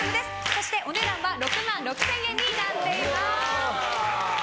そしてお値段は６万６０００円になっています。